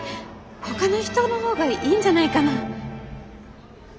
ほかの人の方がいいんじゃないかな？